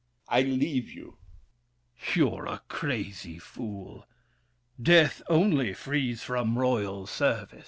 I leave you! THE KING. You're a crazy fool! Death, only, frees from royal service.